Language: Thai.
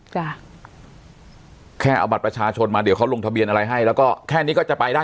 จ้ะแค่เอาบัตรประชาชนมาเดี๋ยวเขาลงทะเบียนอะไรให้แล้วก็แค่นี้ก็จะไปได้